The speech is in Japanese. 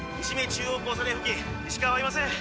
中央交差点付近石川はいません。